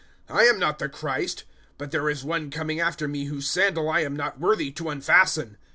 I am not the Christ. But there is One coming after me whose sandal I am not worthy to unfasten.'